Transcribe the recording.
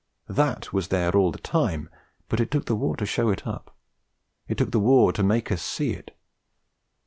That was there all the time, but it took the war to show it up, it took the war to make us see it.